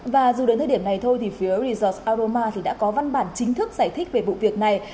và dù đến thời điểm này thôi thì phía resort aroma thì đã có văn bản chính thức giải thích về vụ việc này